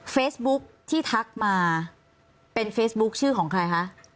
เฟซบุ๊คที่ทักมาเป็นเฟซบุ๊คชื่อของใครคะ